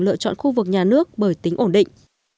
lựa chọn khu vực nhà nước bởi tính ổn định